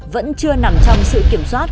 vẫn chưa nằm trong sự kiểm soát